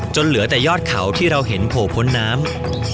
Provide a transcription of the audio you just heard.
เหลือแต่ยอดเขาที่เราเห็นโผล่พ้นน้ำ